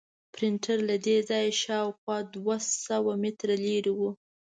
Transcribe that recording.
پرنټر له دې ځایه شاوخوا دوه سوه متره لرې و.